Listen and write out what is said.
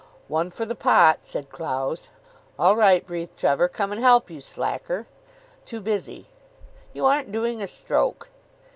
"One for the pot," said Clowes. "All right," breathed Trevor. "Come and help, you slacker." "Too busy." "You aren't doing a stroke."